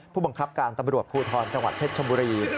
ผู้บังคับการตำรวจภูทรจังหวัดเพชรชบุรี